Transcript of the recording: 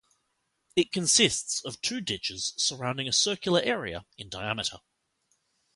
It consists of two ditches surrounding a circular area in diameter.